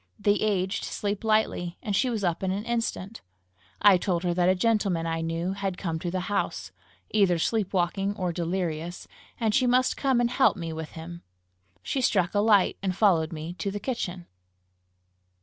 The aged sleep lightly, and she was up in an instant. I told her that a gentleman I knew had come to the house, either sleep walking or delirious, and she must come and help me with him. She struck a light, and followed me to the kitchen.